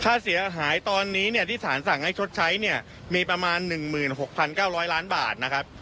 ค่าเสียหายตอนนี้เนี้ยที่ศาลสั่งให้ชดใช้เนี้ยมีประมาณหนึ่งหมื่นหกพันเก้าร้อยล้านบาทนะครับ